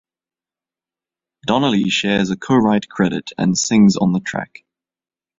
Donelly shares a co-write credit and sings on the track.